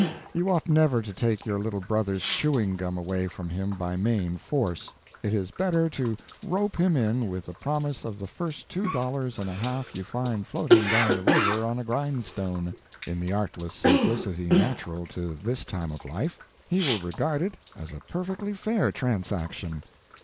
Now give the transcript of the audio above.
You ought never to take your little brother's "chewing gum" away from him by main force; it is better to rope him in with the promise of the first two dollars and a half you find floating down the river on a grindstone. In the artless simplicity natural to this time of life, he will regard it as a perfectly fair transaction.